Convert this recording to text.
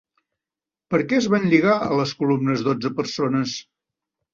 Per què es van lligar a les columnes dotze persones?